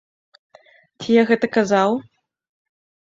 Ці я гэта казаў?!